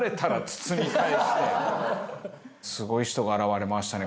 すごい人が現れましたね。